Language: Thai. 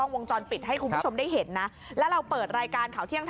ว่าจะอยู่ในเหตุการณ์อะไรตอนนี้